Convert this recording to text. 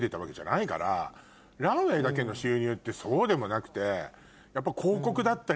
ランウェイだけの収入ってそうでもなくて。